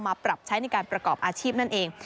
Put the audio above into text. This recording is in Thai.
ปรับใช้ในการประกอบอาชีพนั่นเอง